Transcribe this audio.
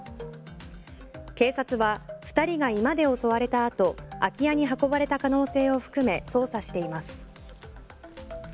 警察は２人が居間で襲われた後空き家に運ばれた可能性を含め捜査しています。